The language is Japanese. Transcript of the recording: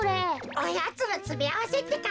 おやつのつめあわせってか？